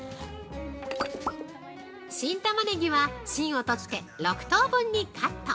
◆新タマネギは芯を取って６等分にカット。